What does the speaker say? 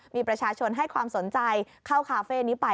มีประชาชนให้ความสนใจเข้าคาเฟ่นี้ไป